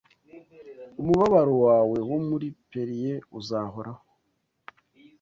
Umubabaro wawe wo muri Perier uzahoraho